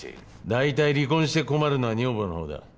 大体離婚して困るのは女房のほうだ。